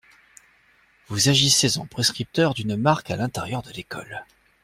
Vous agissez en prescripteurs d'une marque à l'intérieur de l'école.